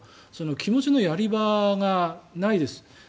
気持ちのやり場がないです。